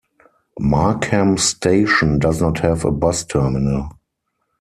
Markham Station does not have a bus terminal.